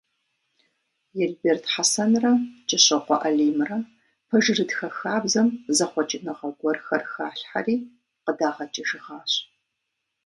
Елберд Хьэсэнрэ Кӏыщокъуэ Алимрэ пэжырытхэ хабзэм зэхъуэкӏыныгъэ гуэрхэр халъхэри къыдагъэкӏыжыгъащ.